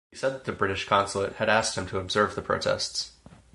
He said that the British consulate had asked him to observe the protests.